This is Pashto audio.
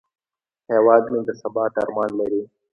هیواد مې د ثبات ارمان لري